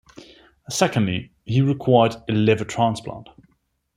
Secondly, he required a liver transplant.